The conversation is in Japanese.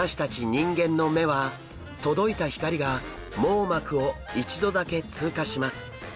人間の目は届いた光が網膜を一度だけ通過します。